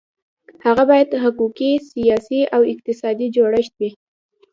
هغه باید حقوقي، سیاسي او اقتصادي جوړښت وي.